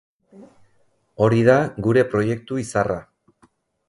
Hori da gure proiektu izarra.